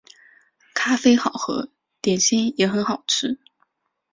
咖啡好喝，点心也很好吃